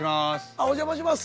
お邪魔します。